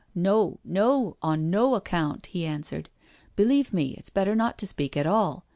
" No, no, on no account," he answered. " Believe me, it's better not to speak at all.